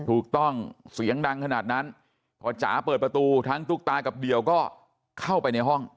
ถูกต้องเสียงดังขนาดนั้นพอจ๋าเปิดประตูทั้งตุ๊กตากับเดี่ยวก็เข้าไปในห้อง